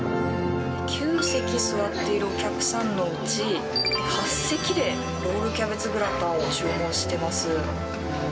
９席座っているお客さんのうち８席でロールキャベツグラタンを注文しています。